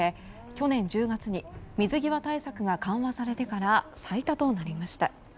去年１０月に水際対策が緩和されてから最多となりました。